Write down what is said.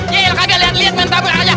cil kaget liat liat men tabung aja